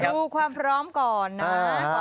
ดูความพร้อมก่อนนะ